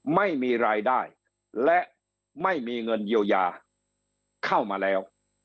ไม่มีรายได้และไม่มีเงินเยียวยาเข้ามาแล้ว